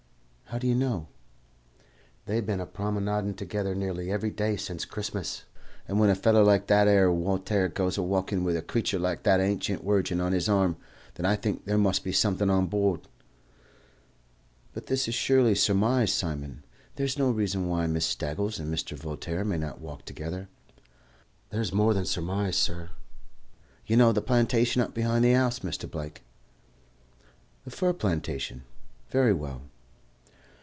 "How do you know?" "They've bin a promenadin' together nearly every day since Christmas; and when a feller like that 'ere Woltaire goes a walkin' with a creature like that hancient wirgin on his arm, then I think there must be somethin' on board." "But this is purely surmise, Simon. There is no reason why Miss Staggles and Mr. Voltaire may not walk together." "There's more than surmise, sur. You know the plantation up behind the house, Mr. Blake?" "The fir plantation? Very well."